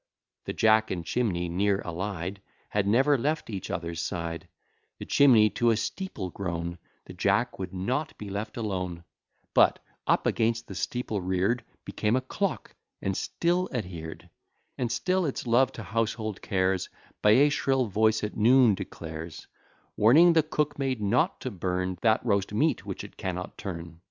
The jack and chimney, near ally'd, Had never left each other's side; The chimney to a steeple grown, The jack would not be left alone; But, up against the steeple rear'd, Became a clock, and still adher'd; And still its love to household cares, By a shrill voice at noon, declares, Warning the cookmaid not to burn That roast meat, which it cannot turn.